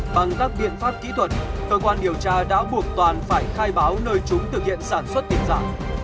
bằng các biện pháp kỹ thuật cơ quan điều tra đã buộc toàn phải khai báo nơi chúng thực hiện sản xuất tiền giả